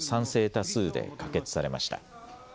多数で可決されました。